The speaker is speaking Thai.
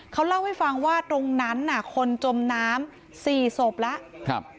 เขาเล่าให้ฟังว่าตรงนั้นน่ะคนจมน้ำ๔ศพแล้ว